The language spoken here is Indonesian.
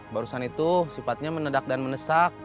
barusan itu sifatnya menedak dan mendesak